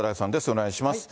お願いします。